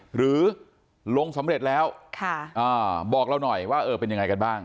หรือลงสำเร็จแล้วบอกเราหน่อยว่าเออเป็นยังไงกันบ้าง